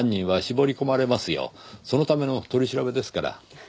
そのための取り調べですから。